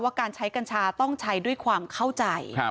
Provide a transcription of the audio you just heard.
การใช้กัญชาต้องใช้ด้วยความเข้าใจ